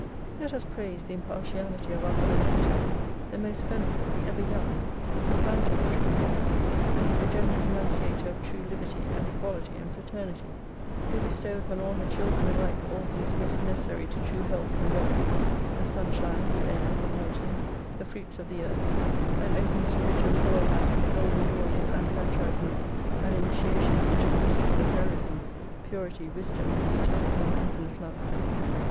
Let us praise the impartiality of our Mother Nature, the most venerable, the ever young, the fountain of true democracy, the generous annunciator of true liberty and equality and fraternity : who bestoweth on all her children alike all things most necessary to true health and wealth, the sunshine, the air, the water, the xii fruits of the earth ; and opens to rich and poor alike the golden doors of enfranchisement and initiation into the mysteries of heroism, purity, wisdom, beauty, and xnimite love.